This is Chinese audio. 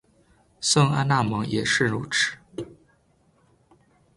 圣安娜门也是如此。